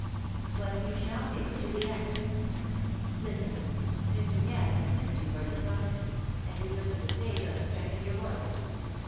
"But you shall hear to the end. Listen, Mr. Cass dismissed you for dishonesty, and you took to the stage on the strength of your voice.